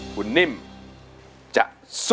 คุณนิ่มจะสู้